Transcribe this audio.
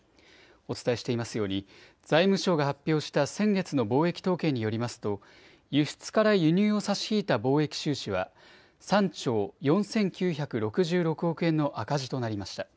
お伝えしていますように財務省が発表した先月の貿易統計によりますと輸出から輸入を差し引いた貿易収支は３兆４９６６億円の赤字となりました。